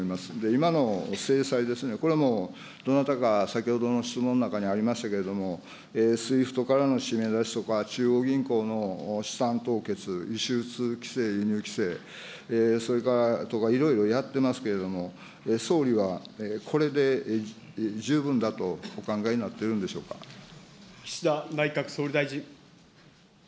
今の制裁ですね、これもどなたか先ほどの質問の中にありましたけれども、ＳＷＩＦＴからのしめ出しとか、中央銀行の資産凍結、輸出規制、輸入規制、それからとか、いろいろやってますけど、総理はこれで十分だとお考えになってる岸田内閣総理大臣。